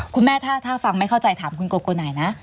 คุณแม่ถ้าฟังไม่เข้าใจถามคุณโกโกนายนะ